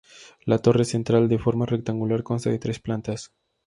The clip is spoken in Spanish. La torre central, de forma rectangular, consta de tres plantas.